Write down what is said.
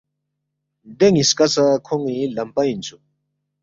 دے نِ٘یسکا سہ کھون٘ی لمپہ اِنسُوک